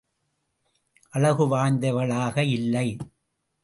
அழகு வாய்ந்தவைகளாக இல்லை.